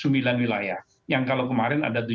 sembilan wilayah yang kalau kemarin ada